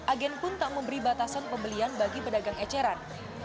agen pun tak memberi batasan pembelian bagi pedagang eceran